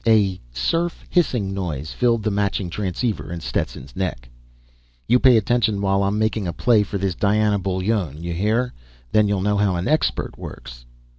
A surf hissing voice filled the matching transceiver in Stetson's neck: _"You pay attention while I'm making a play for this Diana Bullone, you hear? Then you'll know how an expert works."